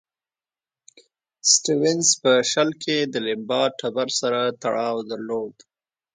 سټیونز په شل کې د لیمبا ټبر سره تړاو درلود.